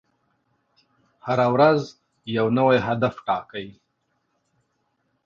هره ورځ یو نوی هدف ټاکئ.